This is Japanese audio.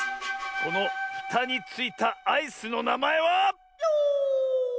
このふたについたアイスのなまえは。